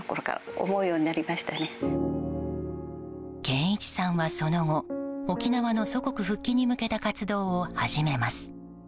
健一さんは、その後沖縄の祖国復帰に向けた活動を始めます。